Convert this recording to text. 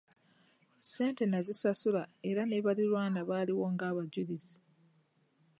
Ssente nazisasula era ne baliraanwa baaliwo ng’abajulizi.